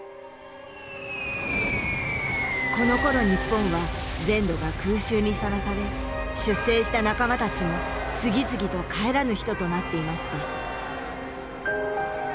このころ日本は全土が空襲にさらされ出征した仲間たちも次々と帰らぬ人となっていました